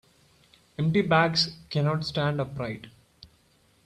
Empty bags cannot stand upright.